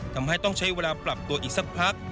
ทำให้ต้องใช้เวลาปรับตัวอีกสักพัก